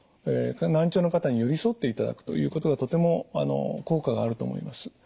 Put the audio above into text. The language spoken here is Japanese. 難聴の方に寄り添っていただくということがとても効果があると思います。